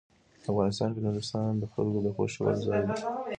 افغانستان کې نورستان د خلکو د خوښې وړ ځای دی.